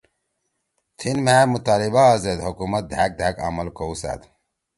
تھیِن مھأ مطالبآ زید حکومت دھأک دھأک عمل کؤسأد